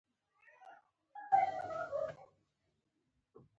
د قطارونو مراعات په هر ګام کې.